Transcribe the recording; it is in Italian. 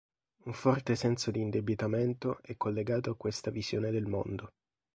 Un forte senso di indebitamento è collegato a questa visione del mondo.